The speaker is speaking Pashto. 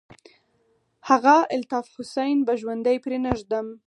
هغه الطاف حسين به ژوندى پرې نه ږدم.